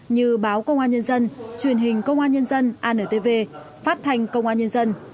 như báo công an nhân dân truyền hình công an nhân dân antv phát thanh công an nhân dân